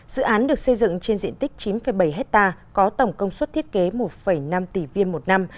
dự án được xây dựng trên diện tích chín bảy hectare có tổng công suất thiết kế một năm tỷ viên một năm